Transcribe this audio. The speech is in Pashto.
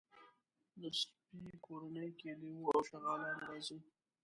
د سپي کورنۍ کې لېوه او شغالان راځي.